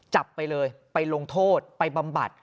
จับไปเลยไปลงโทษไปบำบัด